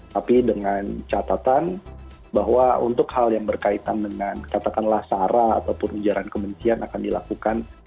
tapi dengan catatan bahwa untuk hal yang berkaitan dengan katakanlah sarah atau pun ujaran kebencian akan dilakukan berbagai moderasi